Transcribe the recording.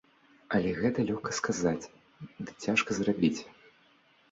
Але гэта лёгка сказаць, ды цяжка зрабіць!